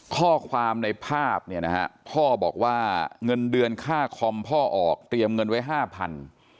ข้อความในภาพเนี่ยนะฮะพ่อบอกว่าเงินเดือนค่าคอมพ่อออกเตรียมเงินไว้ห้าพัน